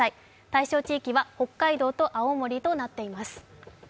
対象地域は北海道と青森となっています。